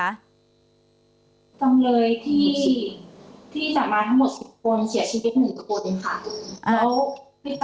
จำเลยที่จับมาทั้งหมด๑๐คนเสียชีวิต๑คนค่ะ